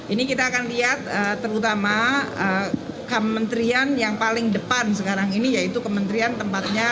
ini kita akan lihat terutama kementerian yang paling depan sekarang ini yaitu kementerian tempatnya